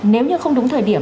nếu như không đúng thời điểm